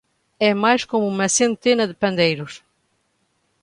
É mais como uma centena de pandeiros.